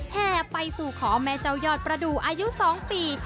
แห่ไปสู่ขอแม่เจ้ายอดประดูกอายุ๒ปี